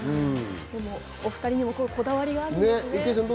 お２人にもこだわりがあるんですね。